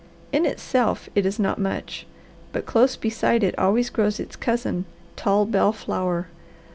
In itself it is not much, but close beside it always grows its cousin, tall bell flower.